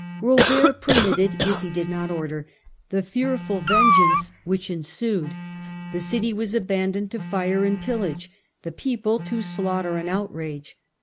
Robert permitted, if he did not order, the fearful vengeance which ensued ; the city was abandoned to fire and pillage; the people to' slaughter and outrage.